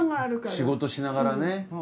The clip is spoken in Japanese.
仕事しながらね。